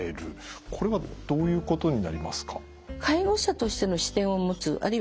これはどういうことになりますか？